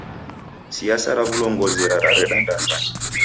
Siasa ra w'ulongozi rareda ndasanya.